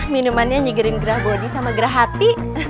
minumannya nyegerin gerah bodi sama gerah hati